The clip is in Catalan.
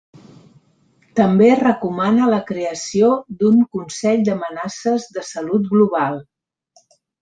També recomana la creació d’un “consell d’amenaces de salut global”.